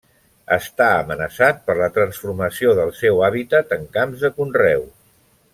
Està amenaçat per la transformació del seu hàbitat en camps de conreu.